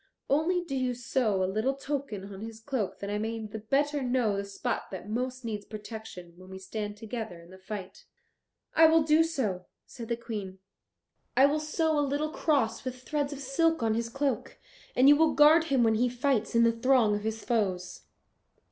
Only do you sew a little token on his cloak, that I may the better know the spot that most needs protection when we stand together in the fight." "I will do so," said the Queen; "I will sew a little cross with threads of silk on his cloak, and you will guard him when he fights in the throng of his foes."